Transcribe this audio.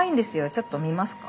ちょっと見ますか？